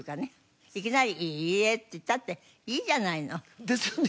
いきなり「いいえ」って言ったっていいじゃないの。ですよね。